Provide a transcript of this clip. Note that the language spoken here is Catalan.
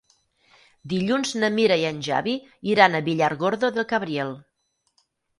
Dilluns na Mira i en Xavi iran a Villargordo del Cabriel.